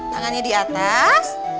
tangannya di atas